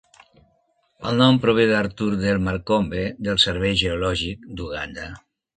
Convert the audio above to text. El nom prové d'Arthur Delmar Combe, del Servei geològic d'Uganda.